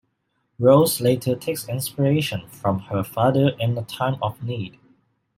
Rose later takes inspiration from her father in a time of need.